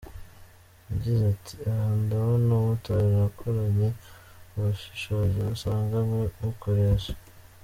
Yagize ati “Aha ndabona mutarakoranye ubushishozi musanganywe mukoresha.